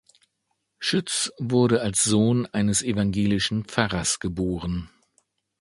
Schütz wurde als Sohn eines evangelischen Pfarrers geboren.